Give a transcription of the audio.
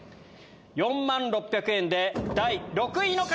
４万６００円で第６位の方！